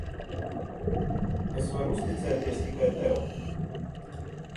Es varu uzticēties tikai tev.